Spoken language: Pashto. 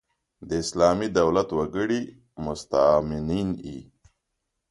د اسلامي دولت وګړي مستامنین يي.